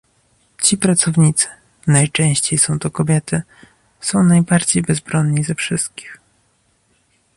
Ci pracownicy - najczęściej są to kobiety - są najbardziej bezbronni ze wszystkich